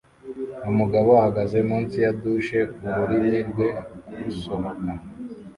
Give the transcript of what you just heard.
Umugabo ahagaze munsi ya douche ururimi rwe rusohoka